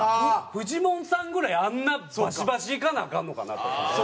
フジモンさんぐらいあんなバシバシいかなアカンのかなとか。